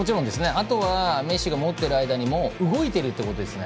あとは、メッシが持っている間にもう動いているってことですね。